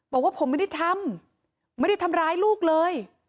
บอกว่าผมไม่ได้ทำไม่ได้ทำร้ายลูกเลย